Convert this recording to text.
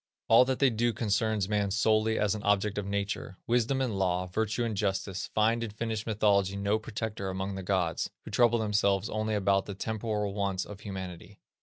All that they do concerns man solely as an object in nature. Wisdom and law, virtue and justice, find in Finnish mythology no protector among the gods, who trouble themselves only about the temporal wants of humanity."